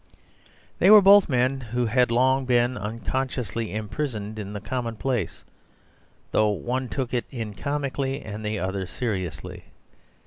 They were both men who had long been unconsciously imprisoned in the commonplace, though one took it comically, and the other seriously.